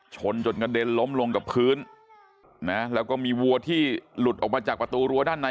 ชนจนกระเด็นล้มลงกับพื้นนะแล้วก็มีวัวที่หลุดออกมาจากประตูรั้วด้านใน